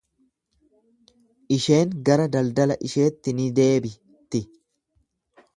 Isheen gara daldala isheetti ni deebi'ti.